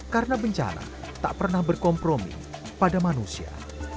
karena bencana tak pernah berkompromi pada manusia